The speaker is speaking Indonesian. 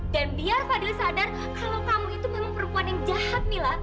dan biar fadil sadar kalau kamu itu memang perempuan yang jahat mila